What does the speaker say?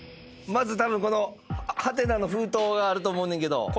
まずこのハテナの封筒があると思うねんけど。